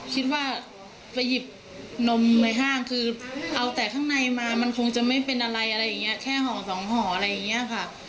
คิดว่าไปหยิบนมในห้างคือเอาแต่ข้างในมามันคงจะไม่เป็นอะไรอะไรอย่างนี้แค่ห่อสองห่ออะไรอย่างนี้ค่ะ